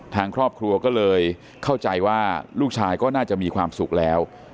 ทางครอบครัวก็เลยเข้าใจว่าลูกชายก็น่าจะมีความสุขแล้ว